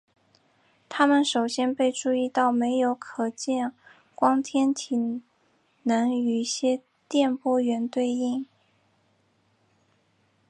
它们首先被注意到没有可见光天体能与些电波源对应。